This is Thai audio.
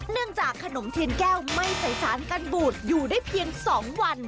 เนื่องจากขนมเทียดแก้วไม่ใส่สารกันบูตรอยู่ได้เพียงสองวัน